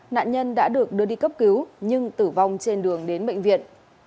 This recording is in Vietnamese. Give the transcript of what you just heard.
nạn nhân đã được đưa đi cấp cứu nhưng tử vong trên đường đến bệnh viện